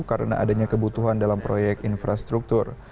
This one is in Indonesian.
karena adanya kebutuhan dalam proyek infrastruktur